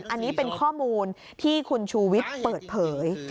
อันนี้เป็นข้อมูลที่คุณชูวิทย์เปิดเผย